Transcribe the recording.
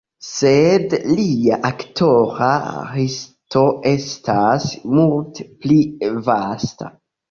Sed lia aktora listo estas multe pli vasta.